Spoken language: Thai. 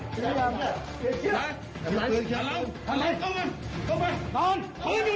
สวัสดีครับ